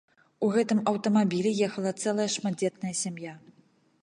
У гэтым аўтамабілі ехала цэлая шматдзетная сям'я.